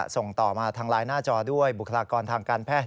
ส่งต่อมาทางไลน์หน้าจอด้วยบุคลากรทางการแพทย์